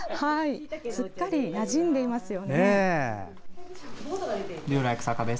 すっかりなじんでいますよね。